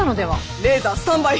レーザースタンバイ。